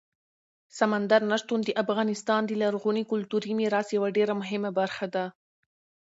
سمندر نه شتون د افغانستان د لرغوني کلتوري میراث یوه ډېره مهمه برخه ده.